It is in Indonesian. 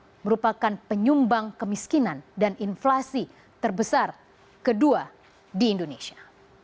yang merupakan penyumbang kemiskinan dan inflasi terbesar kedua di indonesia